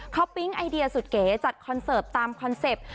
เขาปิ๊งไอเดียสุดเก๋จัดคอนเสิร์ตตามคอนเซ็ปต์